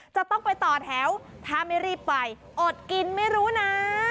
จะต้องไปต่อแถวถ้าไม่รีบไปอดกินไม่รู้นะ